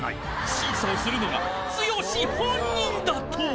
審査をするのが剛本人だとは］